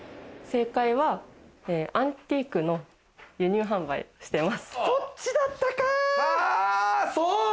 正解はアンティークの輸入販売をしてます。